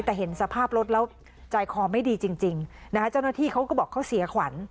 แต่เห็นสภาพรถแล้วใจคอไม่ดีจริงนะฮะเจ้าหน้าที่เขาก็บอกเขาเสียขวัญ